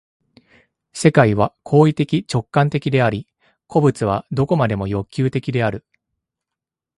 世界は行為的直観的であり、個物は何処までも欲求的である。